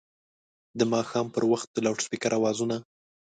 د ماښام پر وخت د لوډسپیکر اوازونه